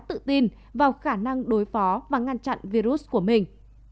bình nhưỡng dường như đã quá tự tin vào khả năng đối phó và ngăn chặn virus của mình